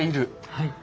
はい。